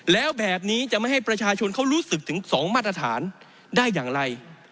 แล้วแบบนี้จะไม่ให้ประชาชนเขารู้สึกถึง๒มาตรฐานได้อย่างไร